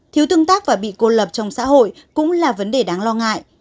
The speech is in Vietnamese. thiếu tương tác và bị cô lập trong xã hội cũng là vấn đề đáng lo ngại